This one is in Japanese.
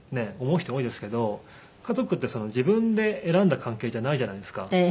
思う人も多いですけど家族って自分で選んだ関係じゃないじゃないですか。